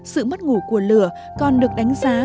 sự mất ngủ của lửa còn được đánh giá